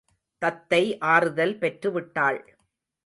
தத்தை ஆறுதல் பெற்றுவிட்டாள்.